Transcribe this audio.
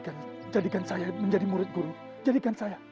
kan jadikan saya menjadi murid guru jadikan saya